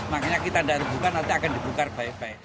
makanya kita gak dibuka nanti akan dibuka baik baik